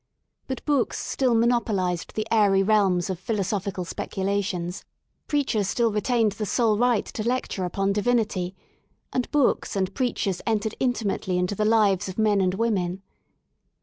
But books still monopolised the airy realms of philosophical speculations; preachers still retained the sole right to lecture upon divinity^and books and preachers entered intimately into the lives of men and women.